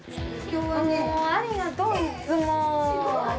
もうありがとう、いつも。